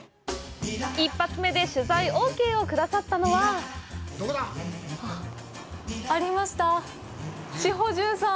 一発目で取材オーケーを下さったのはありました、志保重さん。